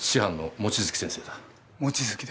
望月です。